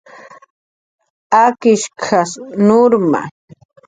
"Akishk"" nurma "